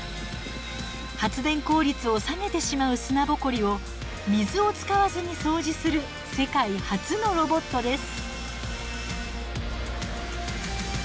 発電効率を下げてしまう砂ぼこりを水を使わずに掃除する世界初のロボットです。